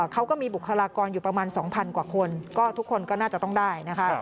เขาก็มีบุคลากรอยู่ประมาณ๒๐๐กว่าคนก็ทุกคนก็น่าจะต้องได้นะคะ